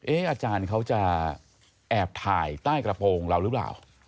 อาจารย์เขาจะแอบถ่ายใต้กระโปรงเราหรือเปล่า